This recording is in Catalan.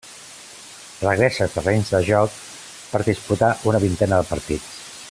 Regressa als terrenys de joc per disputar una vintena de partits.